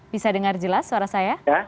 bisa dengar jelas suara saya